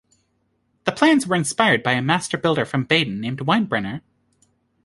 The plans were inspired by a master builder from Baden named Weinbrenner.